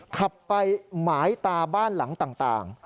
ขับไปหมายตาบ้านหลังต่าง